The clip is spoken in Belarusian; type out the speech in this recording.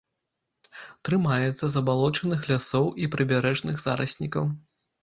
Трымаецца забалочаных лясоў і прыбярэжных зараснікаў.